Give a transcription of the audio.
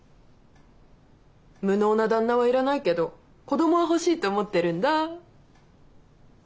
無能な旦那は要らないけど子供は欲しいと思ってるんだ。